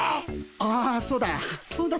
ああそうだそうだったな。